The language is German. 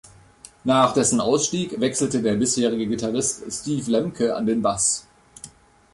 Nach dessen Ausstieg wechselte der bisherige Gitarrist Steve Lemke an den Bass.